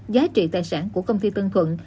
giá trị tài sản của công ty tân khuẩn